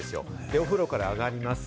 お風呂から上がります。